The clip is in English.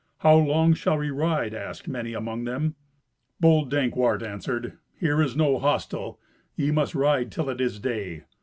"How long shall we ride?" asked many among them. Bold Dankwart answered, "Here is no hostel. Ye must ride till it is day."